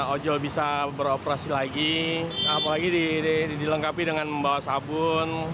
ojol bisa beroperasi lagi apalagi dilengkapi dengan membawa sabun